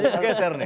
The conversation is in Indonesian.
temanya keser nih